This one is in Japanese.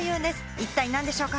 一体何でしょうか？